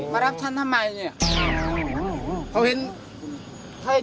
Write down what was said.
มารับฉันทำไมเนี่ยเขาเห็นใช่